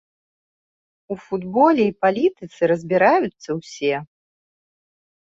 У футболе і палітыцы разбіраюцца ўсе.